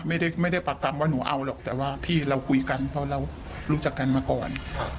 ไม่ได้ปากคำว่าหนูเอาหรอกแต่ว่าพี่เราคุยกันเพราะเรารู้จักกันมาก่อน